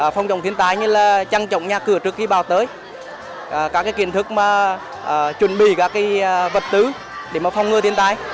phòng chống thiên tai như là trăng trọng nhà cửa trước khi bào tới các kiến thức chuẩn bị các vật tứ để phòng ngừa thiên tai